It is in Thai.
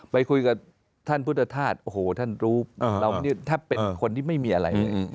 ไปคุยกับท่านพุทธธาตุโอ้โหท่านรู้เราแทบเป็นคนที่ไม่มีอะไร